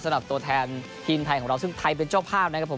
สำหรับตัวแทนทีมไทยของเราซึ่งไทยเป็นเจ้าภาพนะครับผม